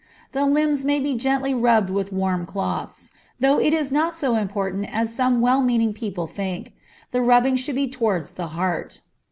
The limbs may be gently rubbed with warm cloths, though it is not so important as some well meaning people think. The rubbing should be towards the heart.